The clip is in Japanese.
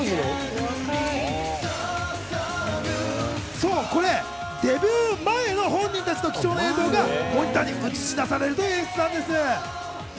そう、これデビュー前の本人たちの貴重な映像がモニターに映し出されるという演出だったんです。